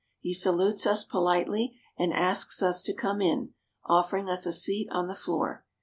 He salutes , us politely and asks us to come in, offering us a seat on the floor.